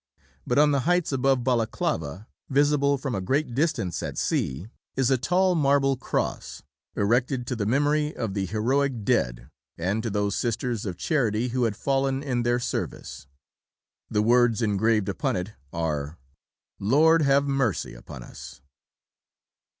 But on the heights above Balaclava, visible from a great distance at sea, is a tall marble cross, erected to the memory of the heroic dead, "and to those Sisters of Charity who had fallen in their service." The words engraved upon it are, "Lord, have mercy upon us."